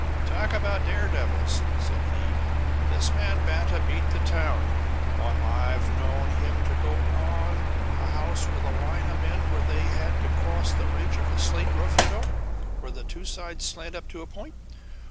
"Talk about daredevils!" said he, "this man Banta beat the town. Why, I've known him to go up on a house with a line of men where they had to cross the ridge of a slate roof you know, where the two sides slant up to a point.